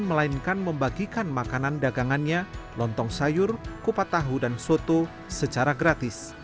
melainkan membagikan makanan dagangannya lontong sayur kupat tahu dan soto secara gratis